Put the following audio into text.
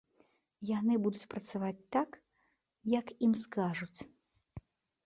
Яны будуць працаваць так, як ім скажуць.